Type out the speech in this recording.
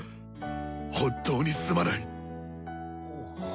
本当にすまない。